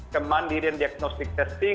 kemandirian diagnostic testing